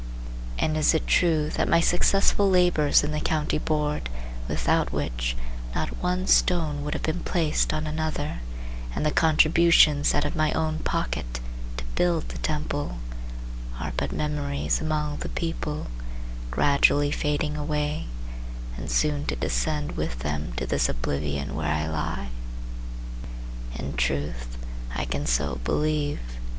And is it true that my successful labors In the County Board, without which Not one stone would have been placed on another, And the contributions out of my own pocket To build the temple, are but memories among the people, Gradually fading away, and soon to descend With them to this oblivion where I lie? In truth, I can so believe.